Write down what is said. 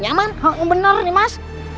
nyaman benar nimas